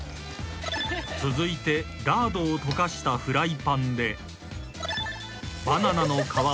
［続いてラードを溶かしたフライパンで］